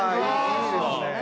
いいですね。